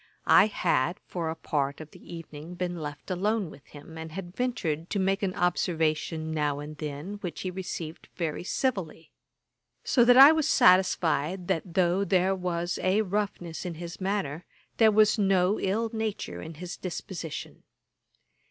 I had, for a part of the evening, been left alone with him, and had ventured to make an observation now and then, which he received very civilly; so that I was satisfied that though there was a roughness in his manner, there was no ill nature in his disposition.